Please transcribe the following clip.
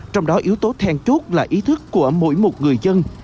trong đó yếu tố then chốt là ý thức của mỗi một người dân